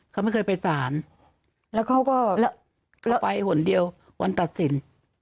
เขาไม่เคยไปสารแล้วเขาก็ไปหนเดียววันตัดสิน